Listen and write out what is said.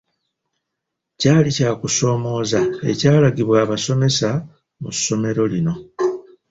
Kyali kya kusomooza ekyalagibwa abasomesa mu ssomero lino.